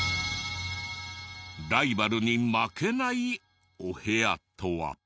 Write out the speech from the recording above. ライバルに負けないお部屋とは。